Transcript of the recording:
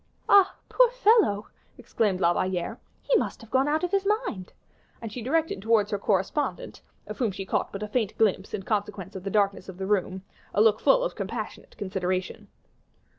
"Ah! poor fellow," exclaimed La Valliere, "he must have gone out of his mind;" and she directed towards her correspondent of whom she caught but a faint glimpse, in consequence of the darkness of the room a look full of compassionate consideration.